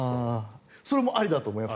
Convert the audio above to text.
それもありだと思います。